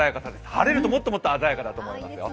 晴れるともっともっと鮮やかだと思いますよ。